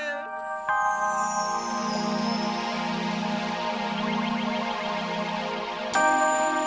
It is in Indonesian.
sebelah abgesori tera